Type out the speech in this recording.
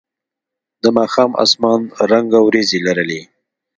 د ماښام اسمان رنګه ورېځې لرلې.